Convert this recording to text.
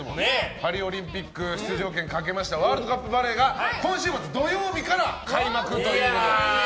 パリオリンピック出場権かけましたワールドカップバレーが今週末、土曜日から開幕ということで。